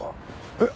えっ！？